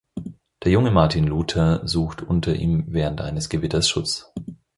Der junge Martin Luther sucht unter ihm während eines Gewitters Schutz.